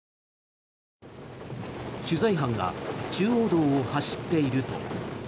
取材班が中央道を走っていると。